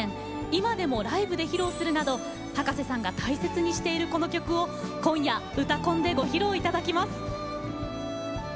今でもライブで披露するなど葉加瀬さんが大切にしているこの曲を今夜「うたコン」でご披露頂きます。